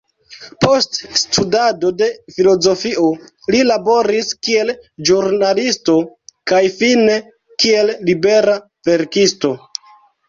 Post studado de filozofio li laboris kiel ĵurnalisto kaj fine kiel libera verkisto.